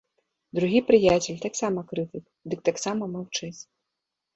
Другі прыяцель таксама крытык, дык таксама маўчыць.